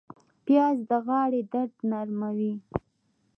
پیاز د غاړې درد نرموي